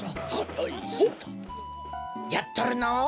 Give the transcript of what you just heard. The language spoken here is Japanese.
やっとるのう。